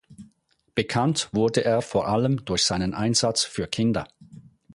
Bekannt wurde er vor allem durch seinen Einsatz für Kinder.